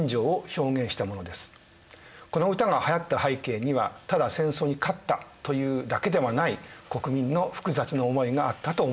この歌がはやった背景にはただ戦争に勝ったというだけではない国民の複雑な思いがあったと思います。